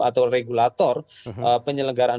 atau regulator penyelenggaraan